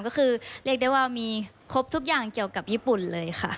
ก็คือเรียกได้ว่ามีครบทุกอย่างเกี่ยวกับญี่ปุ่นเลยค่ะ